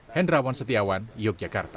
hendrawan setiawan yogyakarta